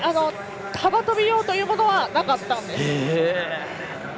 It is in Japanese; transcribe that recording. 幅跳び用というのはなかったんです。